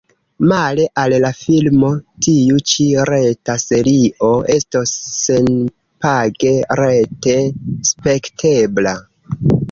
Male al la filmo tiu ĉi reta serio estos senpage rete spektebla.